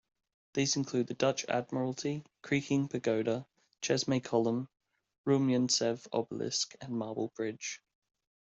These include the Dutch Admiralty, Creaking Pagoda, Chesme Column, Rumyantsev Obelisk, and Marble Bridge.